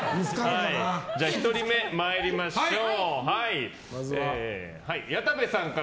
じゃあ１人目、参りましょう。